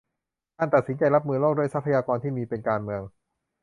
การตัดสินใจรับมือโรคด้วยทรัพยากรที่มี เป็นการเมือง